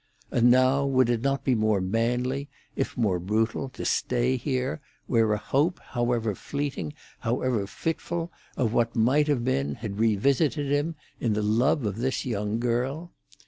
And now would it not be more manly, if more brutal, to stay here, where a hope, however fleeting, however fitful, of what might have been, had revisited him in the love of this young girl?